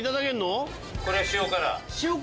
これ塩辛。